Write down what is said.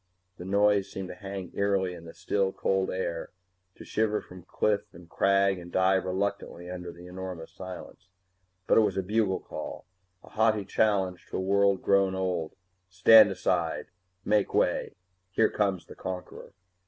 The noise seemed to hang eerily in the still, cold air; to shiver from cliff and crag and die reluctantly under the enormous silence. But it was a bugle call, a haughty challenge to a world grown old stand aside, make way, here comes the conqueror!